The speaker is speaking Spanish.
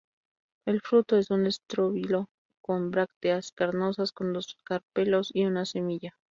El fruto es un estróbilo con brácteas carnosas con dos carpelos y una semilla.